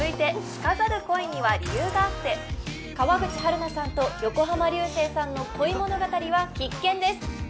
続いて川口春奈さんと横浜流星さんの恋物語は必見です